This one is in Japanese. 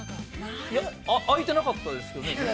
◆開いてなかったですよね。